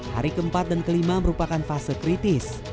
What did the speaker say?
hari keempat dan kelima merupakan fase kritis